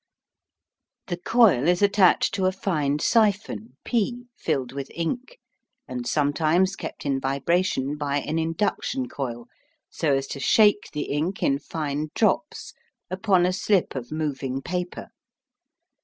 The coil is attached to a fine siphon (T5) filled with ink, and sometimes kept in vibration by an induction coil so as to shake the ink in fine drops upon a slip of moving paper.